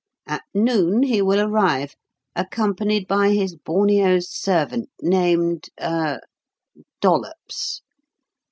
At noon he will arrive, accompanied by his Borneo servant, named er Dollops.